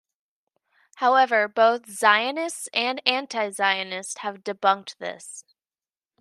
However, both Zionists and Anti-Zionists have debunked this.